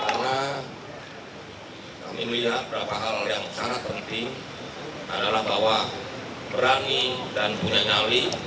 karena kami melihat beberapa hal yang sangat penting adalah bahwa berani dan punya nyali